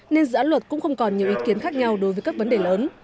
nên dự án luật cũng không còn nhiều ý kiến khác nhau đối với các vấn đề lớn